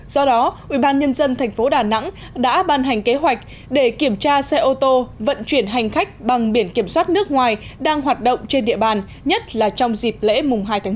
do đó ubnd tp đà nẵng đã ban hành kế hoạch để kiểm tra xe ô tô vận chuyển hành khách bằng biển kiểm soát nước ngoài đang hoạt động trên địa bàn nhất là trong dịp lễ hai tháng chín